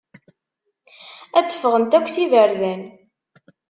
Ad d-ffɣent akk s iberdan.